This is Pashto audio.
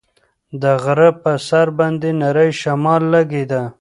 د غره په سر باندې نری شمال لګېده.